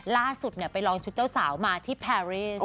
ล่าสุดไปลองชุดเจ้าสาวมาที่แพรรี่